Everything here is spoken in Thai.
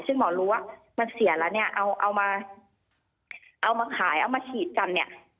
ซึ่งหมอรู้ว่ามันเสียแล้วเอามาขายเอามาฉีดจำ